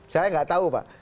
saya enggak tahu pak